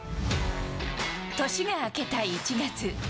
年が明けた１月。